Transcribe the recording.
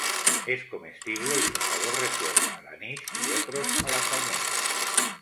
Es comestible y su sabor recuerda al anís y otros a las almendras.